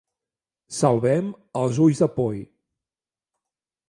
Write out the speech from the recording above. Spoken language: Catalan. Salvem els ulls de poll